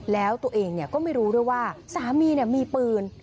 แล้วตัวเองเนี่ยก็ไม่รู้ด้วยว่าสามีเนี่ยมีปืน